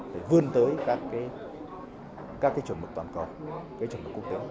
phải vươn tới các chuẩn mực toàn cầu các chuẩn mực quốc tế